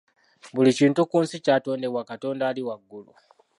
Buli kintu ku nsi kyatondebwa Katonda ali waggulu.